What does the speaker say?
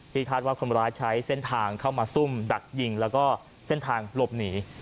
ที่คาดว่าคนร้ายใช้เส้นทางเข้ามาซุ่มดักยิงและรอบหนี